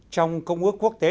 trong công ước quốc tế